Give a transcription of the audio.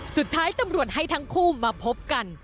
สุดท้ายตำรวจให้ทั้งคู่มาพบกัน